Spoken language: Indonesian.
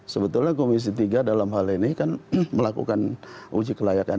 sebetulnya komisi tiga dalam hal ini kan melakukan uji kelayakan